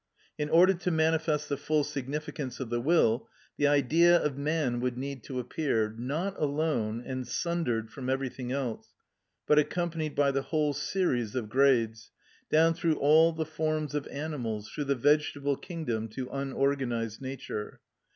In order to manifest the full significance of the will, the Idea of man would need to appear, not alone and sundered from everything else, but accompanied by the whole series of grades, down through all the forms of animals, through the vegetable kingdom to unorganised nature.